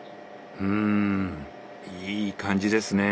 うんいい感じですねえ。